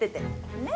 ねえ？